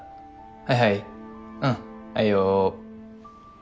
はいはいうんはいよ。